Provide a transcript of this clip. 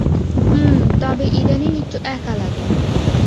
হুমম, তবে ইদানীং একটু একা লাগে।